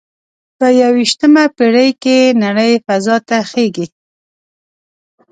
په یوویشتمه پیړۍ کې نړۍ فضا ته خیږي